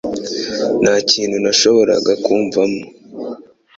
Nta kintu nashoboraga kumva mo